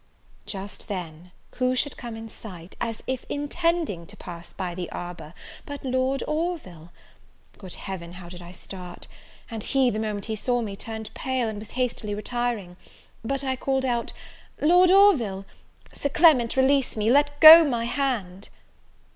Just then, who should come in sight, as if intending to pass by the arbour, but Lord Orville! Good Heaven, how did I start! and he, the moment he saw me, turned pale, and was hastily retiring; but I called out "Lord Orville! Sir Clement, release me, let go my hand!"